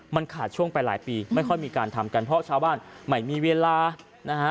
มันขาดช่วงไปหลายปีไม่ค่อยมีการทำกันเพราะชาวบ้านไม่มีเวลานะฮะ